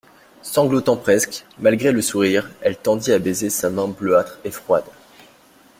Sanglotant presque, malgré le sourire, elle tendit à baiser sa main bleuâtre et froide.